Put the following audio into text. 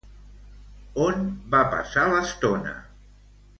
On van passar l'estona?